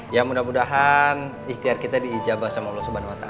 ya mudah mudahan ikhtiar kita diijabah sama allah swt